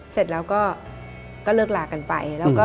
เสร็จแล้วก็เลิกลากันไป